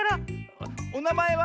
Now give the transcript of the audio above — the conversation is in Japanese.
「おなまえは？」。